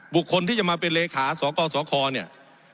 บุคคลที่จะมาเป็นเลขาสกสคเนี่ย